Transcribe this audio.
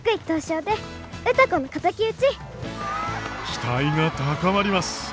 期待が高まります！